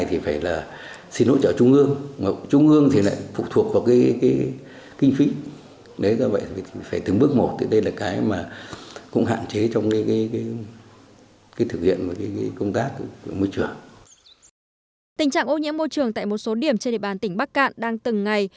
tình trạng ô nhiễm môi trường tại một số điểm trên địa bàn tỉnh bắc cạn đang từng ngày